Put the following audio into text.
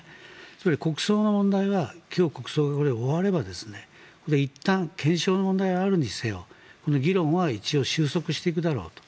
つまり国葬の問題は今日、国葬が終わればいったん検証の問題はあるにせよ議論は収束していくだろうと。